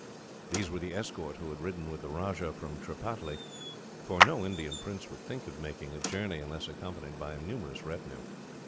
These were the escort who had ridden with the Rajah from Tripataly for no Indian prince would think of making a journey, unless accompanied by a numerous retinue.